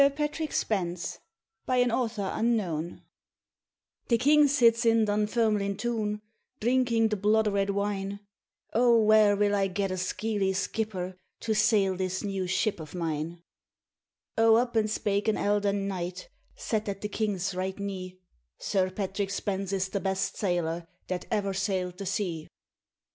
Padraic Colum RAINBOW GOLD SIR PATRICK SPENS THE king sits in Dunfermline toun, Drinking the blude red wine: 'O whare will I get a skeely skipper To sail this new ship of mine?' O up and spake an eldern knight, Sat at the king's right knee 'Sir Patrick Spens is the best sailor That ever sailed the sea.'